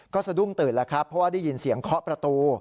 ก็สะดุ้งตื่นแล้วครับเพราะว่าได้ยินเสียงเคาะประตู